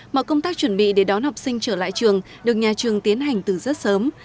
mọi công tác chuẩn bị để đón học sinh trở lại trường được nhà trường tiến hành từ rất sớm